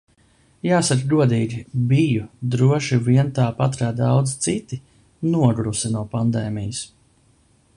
Jāsaka godīgi, biju – droši vien tāpat kā daudzi citi – nogurusi no pandēmijas.